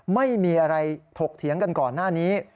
ไม่มีอะไรถกเถียงกันก่อนหน้านี้